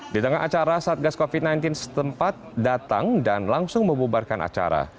di tengah acara satgas covid sembilan belas setempat datang dan langsung membubarkan acara